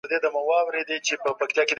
بشریت له سرمایه دارۍ څخه تیښته کوي.